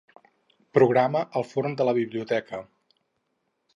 Programa el forn de la biblioteca.